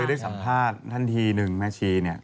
คือได้สัมภาษณ์ทันทีหนึ่งแม่ชีเนี่ย